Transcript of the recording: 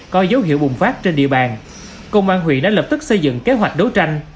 có dấu hiệu bùng phát trên địa bàn công an huyện đã lập tức xây dựng kế hoạch đấu tranh